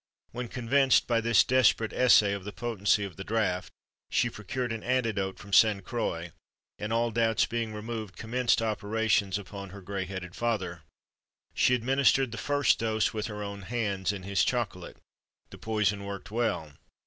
When convinced by this desperate essay of the potency of the draught, she procured an antidote from Sainte Croix, and all doubts being removed, commenced operations upon her grey headed father. She administered the first dose with her own hands, in his chocolate. The poison worked well.